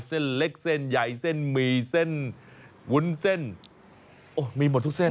เส้นเล็กเส้นใหญ่เส้นหมี่เส้นวุ้นเส้นโอ้มีหมดทุกเส้น